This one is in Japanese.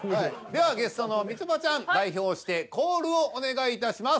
ではゲストのみちょぱちゃん代表してコールをお願いいたします。